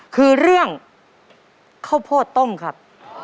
คือเรื่องข้าวโพดต้มครับ